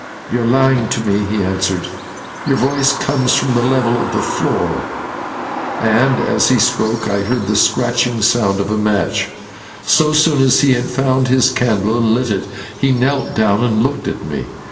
"You are lying to me," he answered; "your voice comes from the level of the floor." And as he spoke I heard the scratching sound of a match. So soon as he had found his candle and lit it, he knelt down and looked at me.